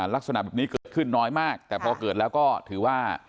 ลักษณะแบบนี้เกิดขึ้นน้อยมากแต่พอเกิดแล้วก็ถือว่า